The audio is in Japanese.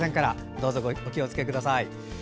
どうぞお気をつけください。